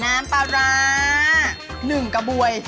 น้ำปลาร้า๑กระบวย